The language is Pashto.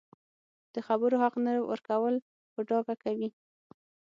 د خبرو حق نه ورکول په ډاګه کوي